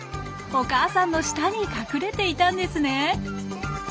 お母さんの下に隠れていたんですね。